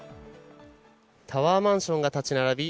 タワーマンションが立ち並び